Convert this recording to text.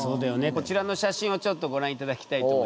こちらの写真をちょっとご覧いただきたいと思います。